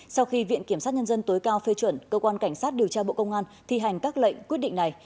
sau khi viện kiểm sát nhân dân tối cao phê chuẩn cơ quan cảnh sát điều tra bộ công an thi hành các lệnh quyết định này